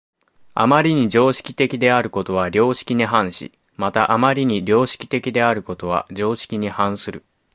余りに常識的であることは良識に反し、また余りに良識的であることは常識に反する。